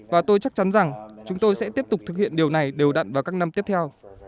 và tôi chắc chắn rằng chúng tôi sẽ tiếp tục thực hiện điều này đều đặn vào các năm tiếp theo